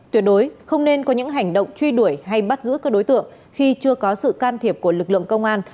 tuyệt đối không nên có những hành động truy đuổi hay bắt giữ các đối tượng khi chưa có sự can thiệp của lực lượng công an